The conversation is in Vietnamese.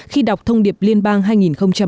khi đọc thông điệp liên bang hai nghìn một mươi tám